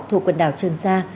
thu quần đảo trần sa